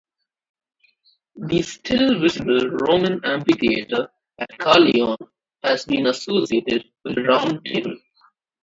The still-visible Roman amphitheatre at Caerleon has been associated with the Round Table.